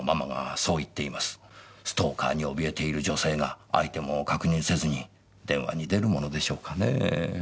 ストーカーに怯えている女性が相手も確認せずに電話に出るものでしょうかねぇ。